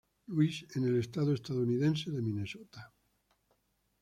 Louis en el estado estadounidense de Minnesota.